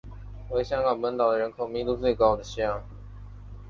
为台湾本岛人口密度最高的乡。